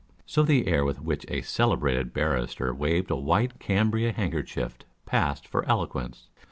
So the air with which a celebrated barrister waved a white cambric handkerchief passed for eloquence.